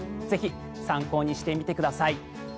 ぜひ参考にしてみてください。